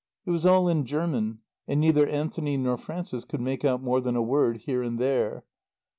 It was all in German, and neither Anthony nor Frances could make out more than a word here and there.